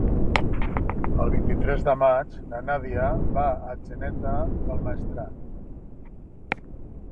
El vint-i-tres de maig na Nàdia va a Atzeneta del Maestrat.